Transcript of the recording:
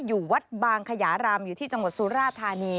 อยู่วัดบางขยารามอยู่ที่จังหวัดสุราธานี